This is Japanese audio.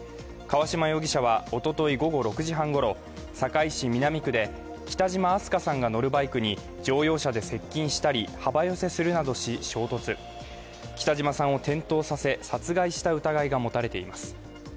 川島容疑者はおととい午後６時半ごろ、堺市南区で北島明日翔さんが乗るバイクに乗用車で接近したり幅寄せするなどし衝突北島さんを転倒させ殺害した疑いが持たれています。